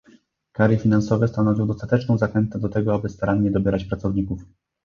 Kary finansowe stanowią dostateczną zachętę do tego, aby starannie dobierać pracowników